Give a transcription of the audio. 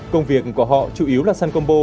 công việc của họ chủ yếu là săn combo